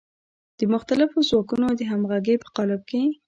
د مختلفو ځواکونو د همغږۍ په قالب کې.